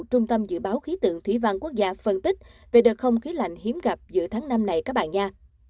trung tâm dự báo khí tượng thủy văn quốc gia phân tích về đợt không khí lạnh hiếm gặp giữa tháng năm này các bạn nha